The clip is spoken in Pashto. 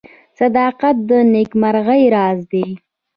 • صداقت د نیکمرغۍ راز دی.